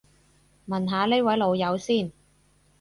問下呢位老友先